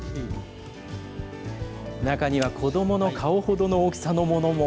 中には子どもの顔ほどの大きさのものも。